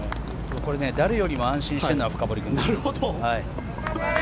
これ、誰よりも安心してるのは深堀君。